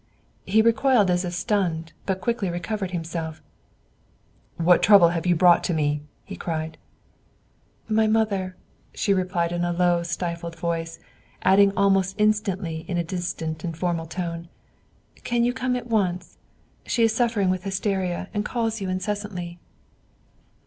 He recoiled as if stunned, but quickly recovered himself. "What trouble has brought you to me?" he cried. "My mother," she replied in a low, stifled voice, adding almost instantly in a distant and formal tone, "can you come at once? She is suffering with hysteria and calls you incessantly."